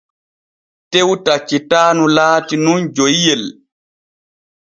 Tew taccitaanu laati nun joyiyel.